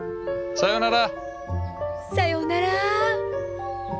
さようなら。